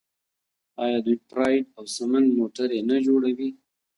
آیا دوی پراید او سمند موټرې نه جوړوي؟